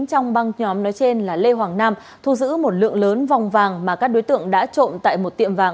trong băng nhóm nói trên là lê hoàng nam thu giữ một lượng lớn vòng vàng mà các đối tượng đã trộm tại một tiệm vàng